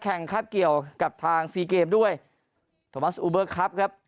ครับเกี่ยวกับทางซีเกมด้วยโทมัสอูเบอร์ครับครับ